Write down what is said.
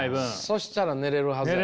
そしたら寝れるはず。